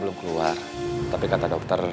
belum keluar tapi kata dokter